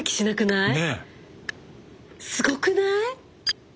すごくない？